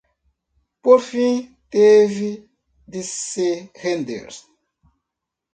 Por fim, teve de se render